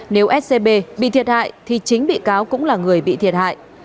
nếu scb bị thiệt hại thì chính bị cáo cũng là người bị thiệt hại